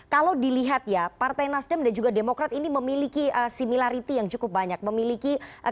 kalau dilihat ya partai nasdem dan juga demokrat ini memiliki similarity yang cukup banyak memiliki kekuatan